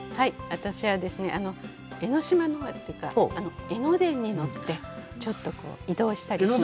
私はですね、江ノ島のというか、江ノ電に乗って、移動したりしながら。